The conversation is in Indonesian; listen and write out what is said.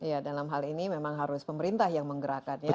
ya dalam hal ini memang harus pemerintah yang menggerakkannya